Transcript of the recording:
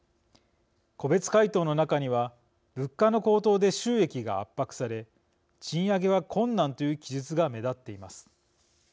個別回答の中には「物価の高騰で収益が圧迫され賃上げは困難」という記述が目立っています。